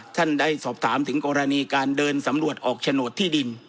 ท่านได้สอบถามถึงกรณีการเดินสำรวจออกโฉนดที่ดิน